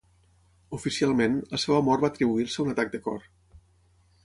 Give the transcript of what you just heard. Oficialment, la seva mort va atribuir-se a un atac de cor.